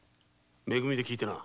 め組で聞いてな。